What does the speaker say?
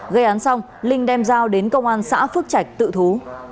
gây án xong linh đem dao đến công an xã phước trạch tự thú